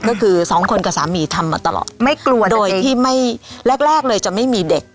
ก็คือสองคนกับสามีทำมาตลอดไม่กลัวโดยที่ไม่แรกแรกเลยจะไม่มีเด็ก